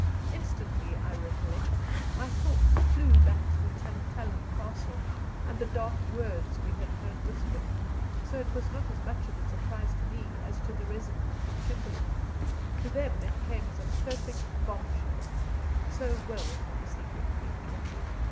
Instantly, I recollect, my thoughts flew back to the Tantallon Castle and the dark words we had heard whispered, so it was not as much of a surprise to me as to the residents at Kimberley; to them it came as a perfect bombshell, so well had the secret been kept.